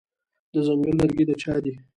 د ځنګل لرګي د چا دي؟